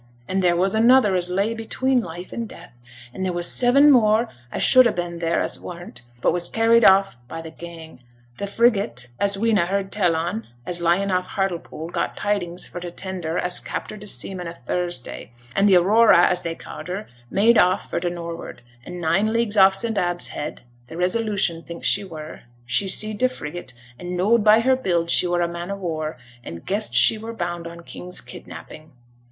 An' there was another as lay between life an' death, and there was seven more as should ha' been theere as wasn't, but was carried off by t' gang. T' frigate as we 'n a' heard tell on, as lying off Hartlepool, got tidings fra' t' tender as captured t' seamen o' Thursday: and t' Aurora, as they ca'ed her, made off for t' nor'ard; and nine leagues off St Abb's Head, t' Resolution thinks she were, she see'd t' frigate, and knowed by her build she were a man o' war, and guessed she were bound on king's kidnapping.